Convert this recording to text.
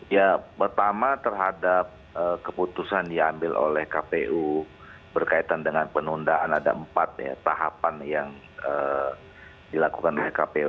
ya pertama terhadap keputusan diambil oleh kpu berkaitan dengan penundaan ada empat tahapan yang dilakukan oleh kpu